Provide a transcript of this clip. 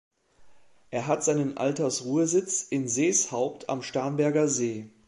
Er hat seinen Altersruhesitz in Seeshaupt am Starnberger See.